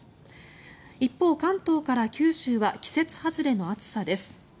一方、関東から九州は季節外れの暑さです。